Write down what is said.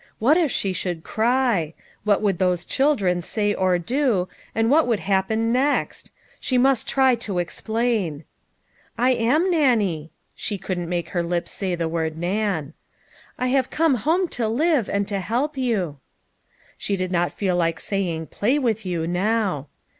What if she should cry ! what would those children say or do, and what would hap pen next ? she must try to explain. " iam Nannie," she couldn't make her lips say BEGINNING HER LITE. 29 the word Nan. " I have come home to live, and to help you!" She did not feel like saying " play with you," now.